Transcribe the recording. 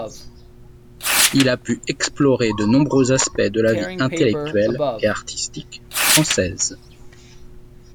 Il a pu explorer de nombreux aspects de la vie intellectuelle et artistique française.